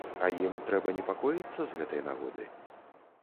А ім трэба непакоіцца з гэтай нагоды?